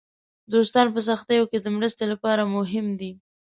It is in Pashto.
دوستان په سختیو کې د مرستې لپاره مهم دي.